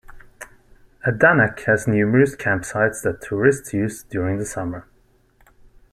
Adanac has numerous camp sites that tourists use during the summer.